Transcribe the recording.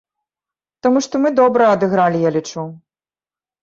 Таму што мы добра адыгралі, я лічу.